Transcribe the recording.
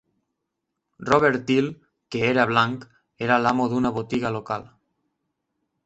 Robert Teel, que era blanc, era l'amo d'una botiga local.